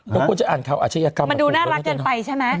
เราควรจะอ่านข่าวอาชญากรรมมันดูน่ารักเกินไปใช่ไหม